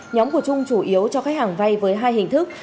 nhóm của trung chủ yếu cho khách hàng vay với hai hình thức